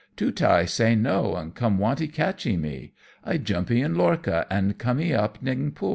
Tootai say no, and come wantee catchee me. I jumpee in lorcha, and comee up Ningpo.